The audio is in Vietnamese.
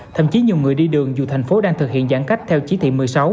thậm chí nhiều người đi đường dù thành phố đang thực hiện giãn cách theo chí thị một mươi sáu